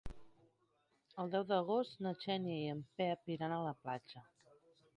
El deu d'agost na Xènia i en Pep iran a la platja.